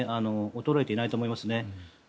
衰えていないと思いますね。